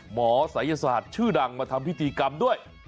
ศัยศาสตร์ชื่อดังมาทำพิธีกรรมด้วย